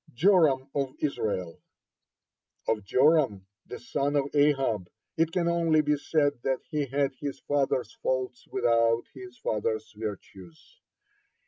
(52) JORAM OF ISRAEL Of Joram, the son of Ahab, it can only be said that he had his father's faults without his father's virtues.